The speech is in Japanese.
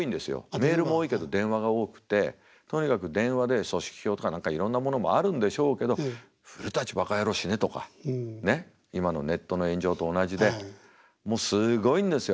メールも多いけど電話が多くてとにかく電話で組織票とか何かいろんなものもあるんでしょうけど「古バカ野郎死ね」とかねっ今のネットの炎上と同じでもうすごいんですよ。